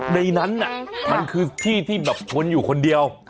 ในนั้นมันคือที่ที่แบบชนอยู่คนเดียว